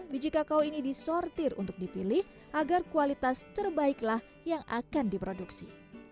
biji kakao ini disortir untuk dipilih agar kualitas terbaiklah yang akan diproduksi